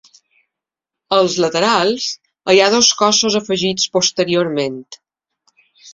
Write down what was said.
Als laterals hi ha dos cossos afegits posteriorment.